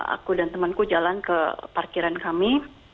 aku dan temanku jalan ke parkiran kami